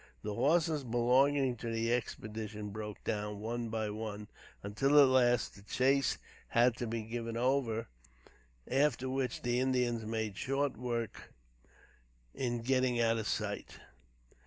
The horses belonging to the Expedition broke down, one by one, until at last, the chase had to be given over, after which the Indians made short work in getting out of sight.